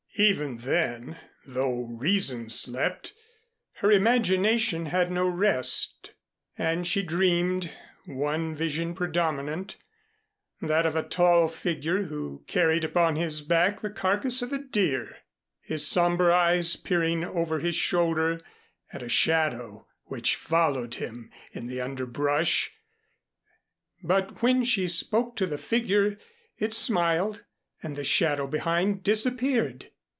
Even then, though reason slept, her imagination had no rest, and she dreamed, one vision predominant that of a tall figure who carried upon his back the carcass of a deer, his somber eyes peering over his shoulder at a shadow which followed him in the underbrush. But when she spoke to the figure it smiled and the shadow behind disappeared.